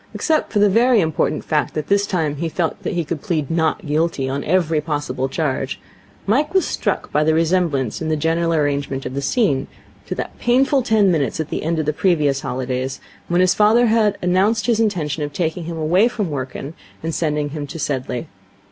Except for the very important fact that this time he felt that he could plead Not Guilty on every possible charge, Mike was struck by the resemblance in the general arrangement of the scene to that painful ten minutes at the end of the previous holidays, when his father had announced his intention of taking him away from Wrykyn and sending him to Sedleigh.